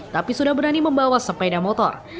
tapi sudah berani membawa sepeda motor